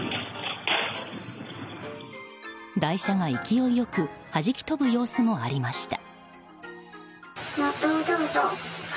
台車が勢いよくはじき飛ぶ様子もありました。